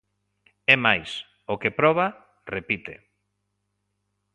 É máis, o que proba, repite.